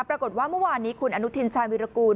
ปรากฏว่าเมื่อวานนี้คุณอนุทินชาญวิรากูล